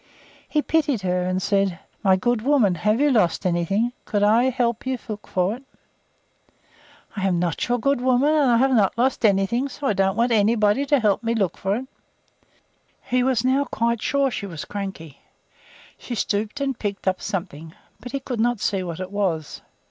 He pitied her, and said: "My good woman, have you lost anything? Could I help you to look for it?" "I am not your good woman, and I have not lost anything; so I don't want anybody to help me to look for it." He was now quite sure she was cranky. She stooped and picked up something, but he could not see what it was.